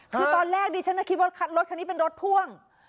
คือตอนแรกดิฉันก็คิดว่ารถคันนี้เป็นรถพ่วง